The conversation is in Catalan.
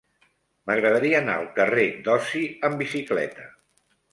M'agradaria anar al carrer d'Osi amb bicicleta.